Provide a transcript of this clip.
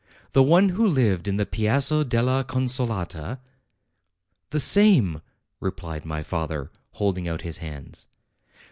the one who lived in the Piazza della Consolata?" "The same," replied my father, holding out his hands.